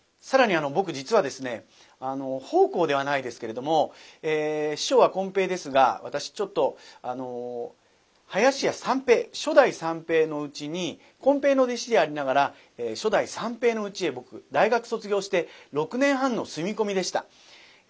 更に僕実はですね奉公ではないですけれども師匠はこん平ですが私ちょっと林家三平初代三平のうちにこん平の弟子でありながら初代三平のうちへ僕大学卒業して６年半の住み込みでした。